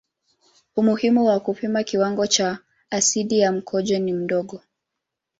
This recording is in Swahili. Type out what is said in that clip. Umuhimu wa kupima kiwango cha asidi ya mkojo ni mdogo.